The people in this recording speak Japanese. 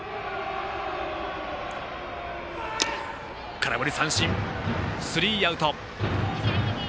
空振り三振、スリーアウト。